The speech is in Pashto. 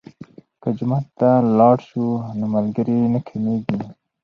که جومات ته لاړ شو نو ملګري نه کمیږي.